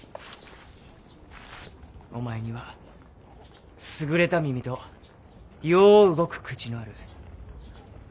お前には優れた耳とよう動く口のある。